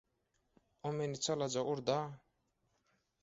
O meni çalaja urd-a.